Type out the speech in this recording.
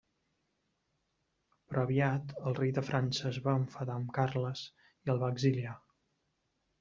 Però aviat el rei de França es va enfadar amb Carles i el va exiliar.